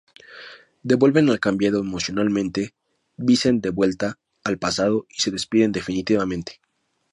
Devuelven al cambiado emocionalmente Vincent de vuelta al pasado y se despiden definitivamente.